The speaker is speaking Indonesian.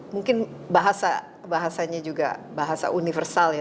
mungkin bahasanya juga bahasa universal ya